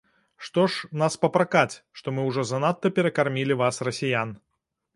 Што ж нас папракаць, што мы ўжо занадта перакармілі вас, расіян.